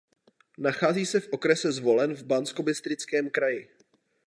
Nachází se v okrese Zvolen v Banskobystrickém kraji.